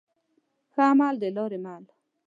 ښه عمل د لاري مل.